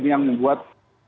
ini yang membuat